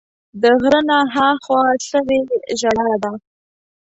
د غره نه ها خوا سوې ژړا ده